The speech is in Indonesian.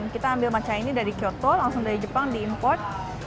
kita ambil matcha ini dari kyoto langsung dari jepang di import